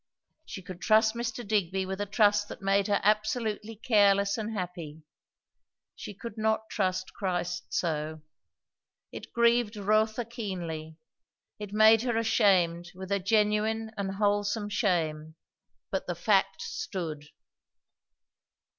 She could trust Mr. Digby with a trust that made her absolutely careless and happy; she could not trust Christ so. It grieved Rotha keenly; it made her ashamed with a genuine and wholesome shame; but the fact stood.